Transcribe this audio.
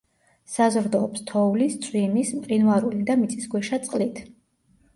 საზრდოობს თოვლის, წვიმის, მყინვარული და მიწისქვეშა წყლით.